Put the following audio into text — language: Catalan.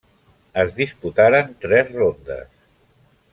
Es disputaren tres rondes.